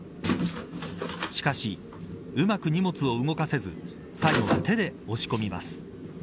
しかし、うまく荷物を動かせず最後は手で押し込みます。